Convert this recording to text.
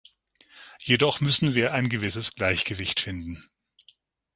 Jedoch müssen wir ein gewisses Gleichgewicht finden.